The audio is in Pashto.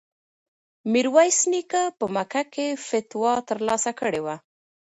میرویس نیکه په مکه کې فتوا ترلاسه کړې وه.